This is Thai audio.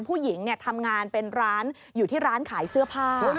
ผู้หญิงทำงานเป็นร้านอยู่ที่ร้านขายเสื้อผ้า